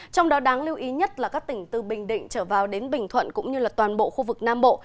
trong đó đáng lưu ý nhất là các tỉnh từ bình định trở vào đến bình thuận cũng như toàn bộ khu vực nam bộ